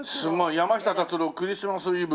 山下達郎『クリスマス・イブ』。